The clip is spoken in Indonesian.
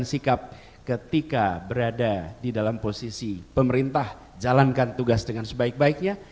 dan sikap ketika berada di dalam posisi pemerintah jalankan tugas dengan sebaik baiknya